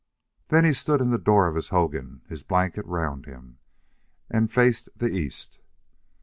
Then he stood in the door of his hogan, his blanket around him, and faced the east.